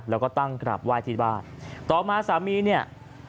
แล้วก็ตั้งกลับไหว้ที่บ้านต่อมาสามีเนี่ย